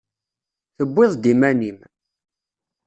Tewwiḍ-d iman-im.